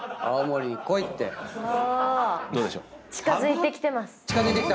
近づいてきてます。